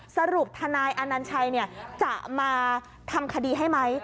สรุปทนายอนัญชัยจะมาทำคดีให้ไหม